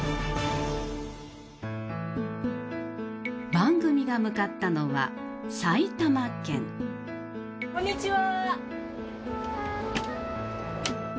番組が向かったのはこんにちは。